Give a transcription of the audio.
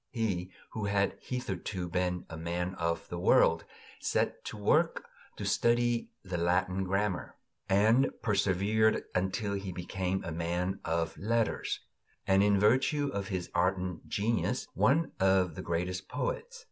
He, who had hitherto been a man of the world, set to work to study the Latin grammar, and persevered until he became a man of letters, and, in virtue of his ardent genius, one of our greatest poets.